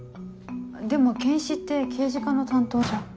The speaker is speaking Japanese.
でも検視って刑事課の担当じゃ。